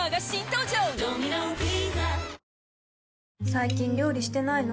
最近料理してないの？